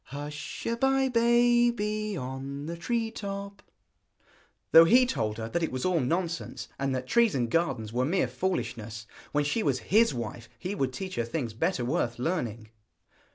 Hush a bye, baby, on the tree top; though he told her that it was all nonsense, and that trees and gardens were mere foolishness. When she was his wife he would teach her things better worth learning.